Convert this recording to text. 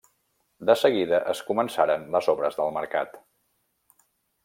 De seguida, es començaren les obres del mercat.